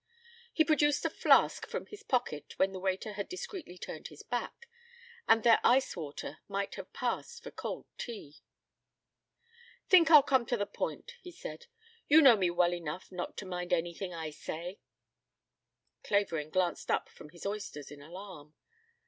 He produced a flask from his pocket when the waiter had discreetly turned his back, and their ice water might have passed for cold tea. "Think I'll come to the point," he said. "You know me well enough not to mind anything I say." Clavering glanced up from his oysters in alarm.